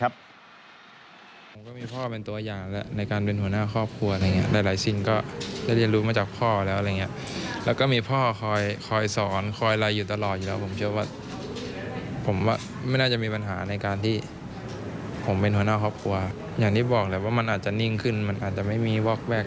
บอกเลยว่ามันอาจจะนิ่งขึ้นมันอาจจะไม่มีวอกแวก